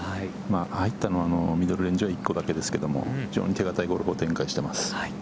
入ったのはミドルレンジは１個だけですけど、非常に手堅いゴルフを展開しています。